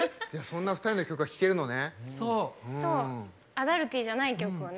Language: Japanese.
アダルティーじゃない曲をね。